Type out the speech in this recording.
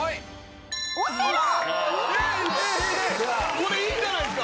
これいいんじゃないっすか？